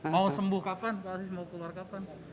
mau sembuh kapan pak aris mau keluar kapan